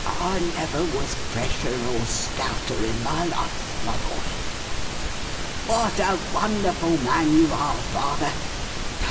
"I never was fresher or stouter in my life, my boy." "What a wonderful man you are, father!